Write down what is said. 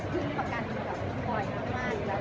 พี่แม่ที่เว้นได้รับความรู้สึกมากกว่า